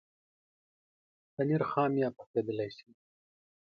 پنېر خام یا پخېدلای شي.